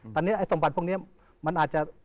ตอนนี้ไอ้สมบัติพวกนี้มันอาจจะ